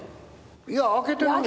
いや開けてない。